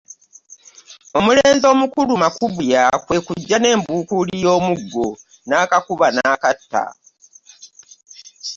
Omulenzi omukulu Makubuya kwe kujja n’embuukuuli y’omuggo n’akakuba n’akatta.